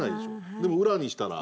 でも裏にしたら。